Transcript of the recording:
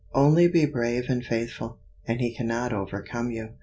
Only be brave and faithful, and he cannot overcome you."